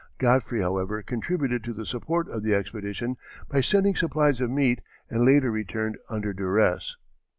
Godfrey, however, contributed to the support of the expedition by sending supplies of meat, and later returned under duress.